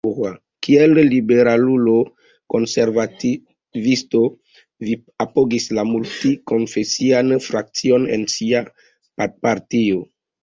Kiel liberalulo-konservativisto li apogis la multi-konfesian frakcion en sia partio.